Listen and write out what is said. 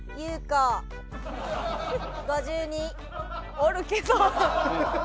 おるけど。